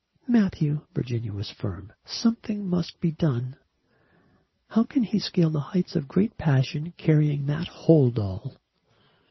"Matthew," Virginia was firm, "something must be done. How can he scale the heights of a great passion carrying that hold all?"